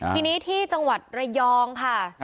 ทีนี้ที่จังหวัดระยองค่ะ